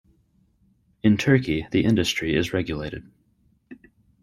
In Turkey the industry is regulated.